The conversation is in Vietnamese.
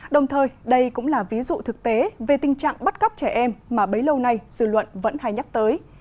đồng thời đây cũng là ví dụ thực tế về tình trạng bắt cóc trẻ em mà bấy lâu nay dự luận vẫn hay nhắc tới